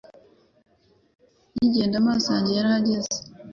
Nkigenda amaso yanjye yarahagaze